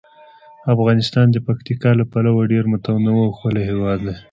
افغانستان د پکتیکا له پلوه یو ډیر متنوع او ښکلی هیواد دی.